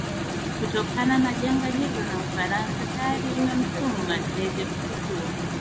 kutokana na janga hilo na ufaransa tayari imetuma ndege kuchukuwa